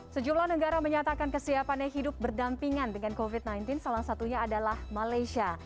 sejumlah negara menyatakan kesiapannya hidup berdampingan dengan covid sembilan belas salah satunya adalah malaysia